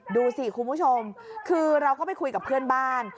ดูสิคุณผู้ชมคือเราก็ไปคุยกับเพื่อนบ้าน